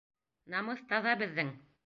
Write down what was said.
Намыҫ таҙа беҙҙең.